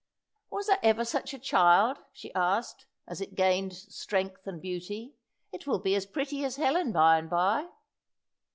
"Was there ever such a child?" she asked, as it gained strength and beauty. "It will be as pretty as Helen by and by."